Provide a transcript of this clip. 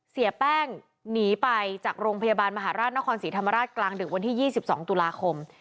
เสียแป้งหนีไปจากโรงพยาบาลมหาราชนครศรีธรรมราชกลางดึกวันที่๒๒ตุลาคม